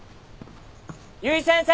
由井先生！